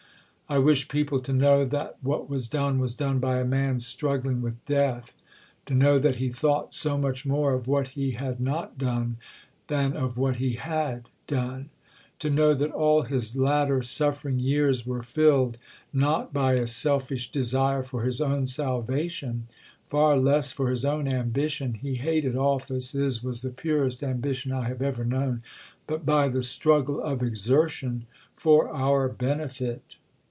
I wish people to know that what was done was done by a man struggling with death to know that he thought so much more of what he had not done than of what he had done to know that all his latter suffering years were filled not by a selfish desire for his own salvation far less for his own ambition (he hated office, his was the purest ambition I have ever known), but by the struggle of exertion for our benefit.